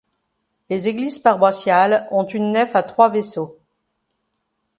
Les églises paroissiales ont une nef à trois vaisseaux.